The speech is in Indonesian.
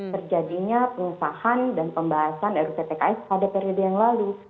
terjadinya pengesahan dan pembahasan rutpks pada periode yang lalu